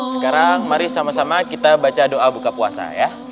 sekarang mari sama sama kita baca doa buka puasa ya